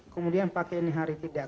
kemudian pakai ini hari tidak